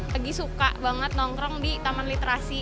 lagi suka banget nongkrong di taman literasi